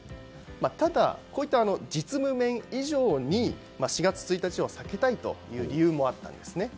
ただ、こういった実務面以上に４月１日を避けたい理由もあったんですね。